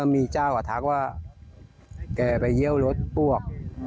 มีเจ้าทักว่าแกไปเยี่ยวรถอ้วก